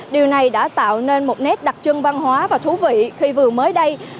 điều này đã tạo nên một nét đặc trưng văn hóa và thú vị khi vừa mới đây